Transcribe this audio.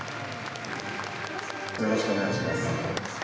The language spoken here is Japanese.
よろしくお願いします。